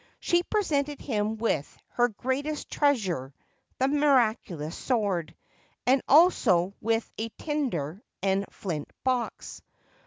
She presented him with her greatest treasure — the miraculous sword — and also with a tinder and flint box.